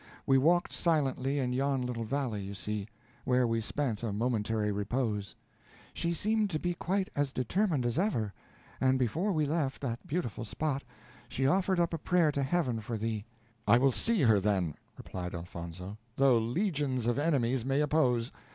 We walked silently in yon little valley you see, where we spent a momentary repose. She seemed to be quite as determined as ever, and before we left that beautiful spot she offered up a prayer to Heaven for thee." "I will see her then," replied Elfonzo, "though legions of enemies may oppose.